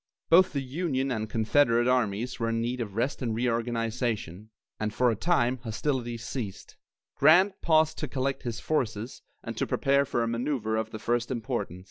Both the Union and Confederate armies were in need of rest and reorganization, and for a time hostilities ceased. Grant paused to collect his forces and to prepare for a manoeuvre of the first importance.